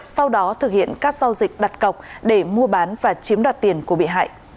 sau đó thực hiện các giao dịch đặt cọc để mua bán và chiếm đoạt tiền của bị hại